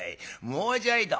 もうちょいと。